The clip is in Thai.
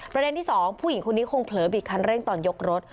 ประเด็นที่๒ผู้หญิงคนนี้คงเผลอบิดคันเร่งตอนยกรถ